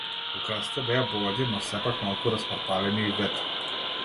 Украсите беа богати, но сепак малку распарталени и ветви.